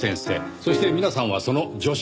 そして皆さんはその助手。